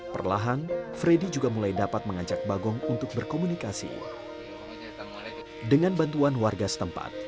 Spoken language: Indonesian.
perlahan freddy juga mulai dapat mengajak bagong untuk berkomunikasi dengan bantuan warga setempat